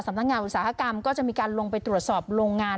นักงานอุตสาหกรรมก็จะมีการลงไปตรวจสอบโรงงาน